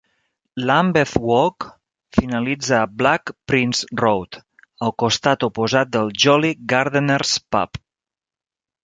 Lambeth Walk finalitza a Black Prince Road, al costat oposat del Jolly Gardeners pub.